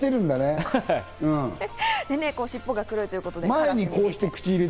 尻尾は黒いということで。